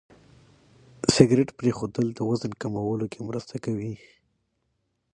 سګرېټ پرېښودل د وزن کمولو کې مرسته کوي.